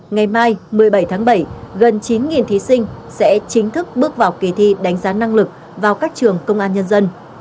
ngày mai một mươi bảy tháng bảy gần chín thí sinh sẽ chính thức bước vào kỳ thi đánh giá năng lực vào các trường công an nhân dân